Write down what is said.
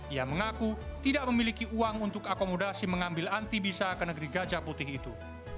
ia mengaku tidak memiliki uang untuk akomodasi mengambil anti bisa ke negeri gajah putih itu